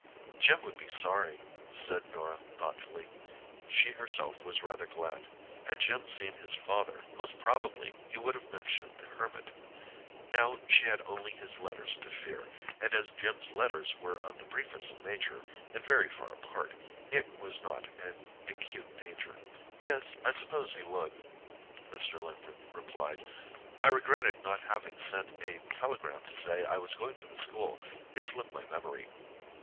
"Jim would be sorry," said Norah thoughtfully. She herself was rather glad: had Jim seen his father, most probably he would have mentioned the Hermit. Now she had only his letters to fear, and as Jim's letters were of the briefest nature and very far apart, it was not an acute danger. "Yes, I suppose he would," Mr. Linton replied. "I regretted not having sent a telegram to say I was going to the school—it slipped my memory.